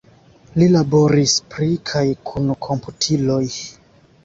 Li laboris pri kaj kun komputiloj.